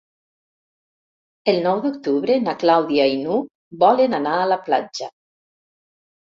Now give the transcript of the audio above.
El nou d'octubre na Clàudia i n'Hug volen anar a la platja.